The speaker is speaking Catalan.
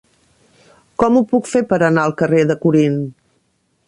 Com ho puc fer per anar al carrer de Corint?